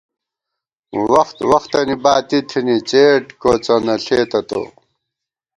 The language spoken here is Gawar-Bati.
وخت وختَنی باتی تھنی څېڈ کوڅہ نہ ݪېتہ تو